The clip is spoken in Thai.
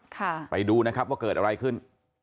ไปดูนะครับว่าเกิดอะไรขึ้น